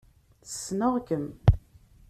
Ssneɣ-kem.